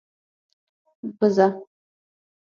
🐐 بزه